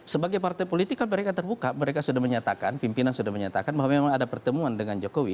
sebagai partai politik kan mereka terbuka mereka sudah menyatakan pimpinan sudah menyatakan bahwa memang ada pertemuan dengan jokowi